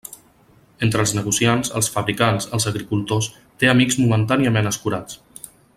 Entre els negociants, els fabricants, els agricultors, té amics momentàniament escurats.